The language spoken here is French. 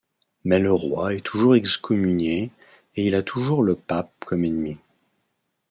Mais le roi est toujours excommunié et il a toujours le pape comme ennemi.